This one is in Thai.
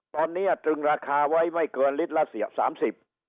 ตอนนี้อาจตึงราคาไว้ไม่เกินลิตรลาเอิแส๓๐